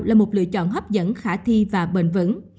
là một lựa chọn hấp dẫn khả thi và bền vững